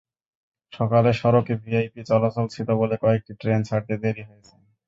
সকালে সড়কে ভিআইপি চলাচল ছিল বলে কয়েকটি ট্রেন ছাড়তে দেরি হয়েছে।